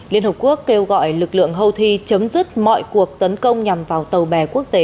liên hợp quốc kêu gọi lực lượng houthi chấm dứt mọi cuộc tấn công nhằm vào tàu bè quốc tế